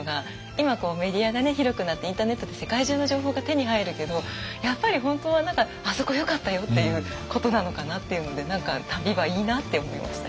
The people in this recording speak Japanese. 今メディアが広くなってインターネットで世界中の情報が手に入るけどやっぱり本当は「あそこよかったよ！」っていうことなのかなっていうので何か旅はいいなって思いました。